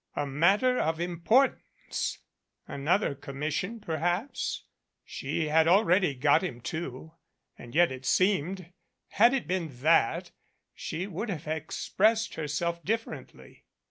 A matter of importance ! Another commission, perhaps she had already got him two. And yet it seemed, had it been that, she would have expressed herself differently.